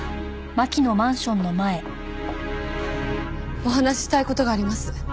お話ししたい事があります。